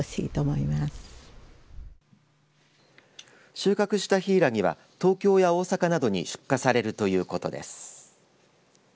収穫したヒイラギは東京や大阪などに出荷されるということです。